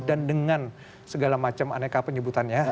dan dengan segala macam aneka penyebutannya